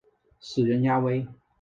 死人呀喂！